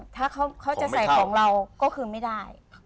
ถ้าเขาจะใส่ของเราก็คือไม่ได้